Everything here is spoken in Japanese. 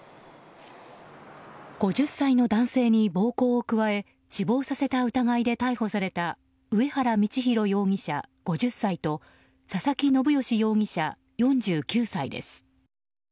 ５０歳の男性に暴行を加え死亡させた疑いで逮捕された上原教弘容疑者、５０歳と佐々木信吉容疑者、４９歳です。